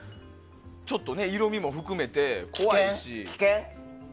ちょっと色味も含めて怖いし。